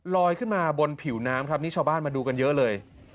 ลอยขึ้นมาบนผิวน้ำครับนี่ชาวบ้านมาดูกันเยอะเลย